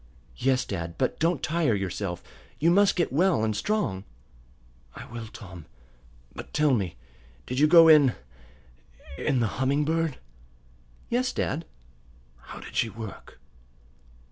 "Yes, dad. But don't tire yourself. You must get well and strong." "I will, Tom. But tell me; did you go in in the Humming Bird?" "Yes, dad." "How did she work?"